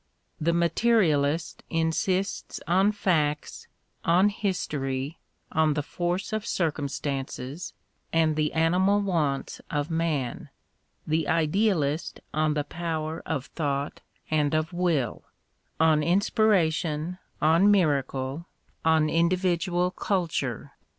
The materialist insists on facts, on history, on the force of circum stances, and the animal wants of man ; the idealist on the power of Thought and of Will, on inspiration, on miracle, on individual I tjo EMERSON culture.